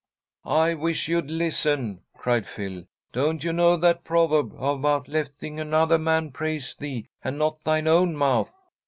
"I wish you'd listen!" cried Phil. "Don't you know that proverb about letting another man praise thee, and not thine own mouth?"